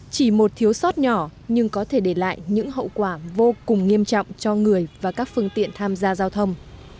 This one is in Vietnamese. chỉ một thiếu sót nhỏ nhưng có thể để lại những hậu quả vô cùng nghiêm trọng cho người và các phương tiện tham gia giao thông